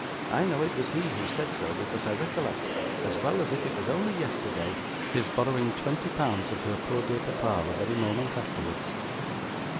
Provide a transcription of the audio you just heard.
I know it was he who said so, because I recollect, as well as if it was only yesterday, his borrowing twenty pounds of her poor dear papa the very moment afterwards.